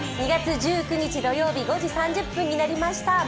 ２月１９日土曜日５時３０分になりました。